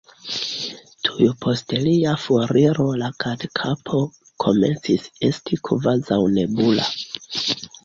Tuj post lia foriro la Katkapo komencis esti kvazaŭ nebula.